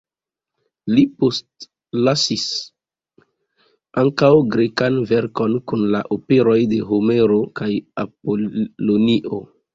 Li postlasis ankaŭ grekan verkon kun la operoj de Homero kaj Apolonio.